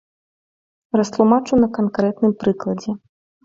Растлумачу на канкрэтным прыкладзе.